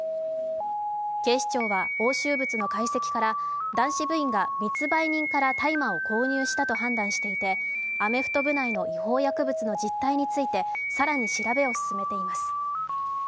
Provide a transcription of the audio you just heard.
警視庁は押収物の解析から男子部員が密売人から大麻を購入したと判断していて、アメフト部内の違法薬物の実態について更に調べを進めています。